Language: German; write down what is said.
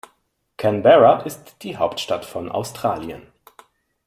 Canberra ist die Hauptstadt von Australien.